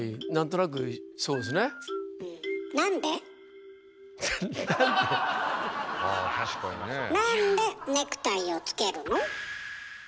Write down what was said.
なんでネクタイをつけるの？